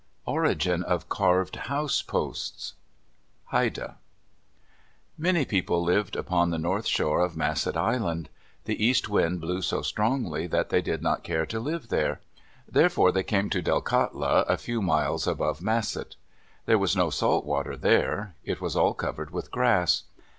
ORIGIN OF CARVED HOUSE POSTS Haida Many people lived upon the north shore of Masset Island. The east wind blew so strongly that they did not care to live there. Therefore they came to Delkatla, a few miles above Masset. There was no salt water there. It was all covered with grass.